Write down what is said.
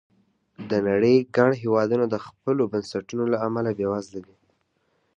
د نړۍ ګڼ هېوادونه د خپلو بنسټونو له امله بېوزله دي.